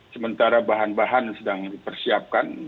sementara bahan bahan sedang dipersiapkan